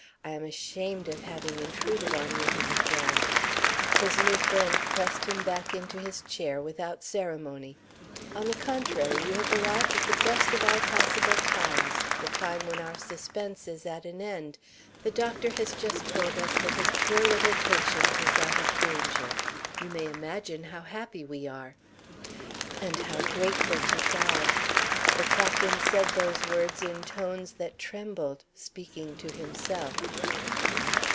"I am ashamed of having intruded on you," he began. His new friend pressed him back into his chair without ceremony. "On the contrary, you have arrived at the best of all possible times the time when our suspense is at an end. The doctor has just told us that his poor little patient is out of danger. You may imagine how happy we are." "And how grateful to God!" The Captain said those words in tones that trembled speaking to himself.